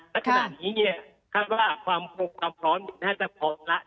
และขนาดนี้ความพร้อมน่าจะพอแล้ว